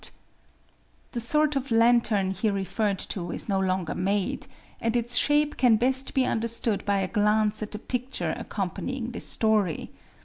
The sort of lantern here referred to is no longer made; and its shape can best be understood by a glance at the picture accompanying this story.